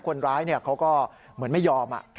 คนร้ายเขาก็เหมือนไม่ยอม